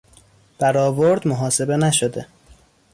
برآورد محاسبه نشده